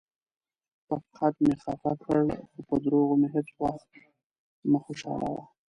پۀ حقیقت مې خفه کړه، خو پۀ دروغو مې هیڅ ؤخت مه خوشالؤه.